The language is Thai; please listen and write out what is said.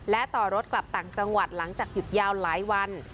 และต่อรถกลับต่างจังหวัดหลังจากหยุดยาวหลายวัน